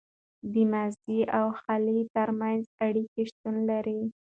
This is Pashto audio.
د ماضي او حال تر منځ اړیکه شتون لري.